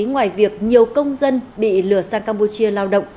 ngoài việc nhiều công dân bị lừa sang campuchia lao động